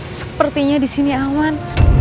sepertinya disini aman